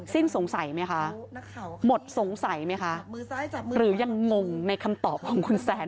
สิ้นสงสัยไหมคะหมดสงสัยไหมคะหรือยังงงในคำตอบของคุณแซน